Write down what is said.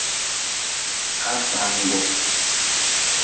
Kasangu.